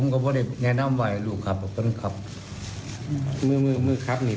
ขอร้องว่าลูกชายก็พาเพื่อนคครับ